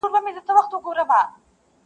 یوه نره غېږه ورکړه پر تندي باندي یې ښګل کړه,